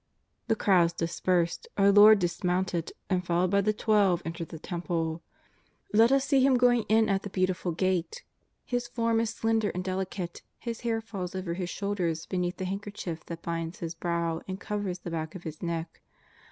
The crowds dispersed, our Lord dismounted, and followed by the Twelve entered the Temple. Let us see Him going in at the Beautiful Gate. His form is slender and delicate. His hair falls over His shoulders beneath the handkerchief that binds His brow and covers the ^ack of His neck.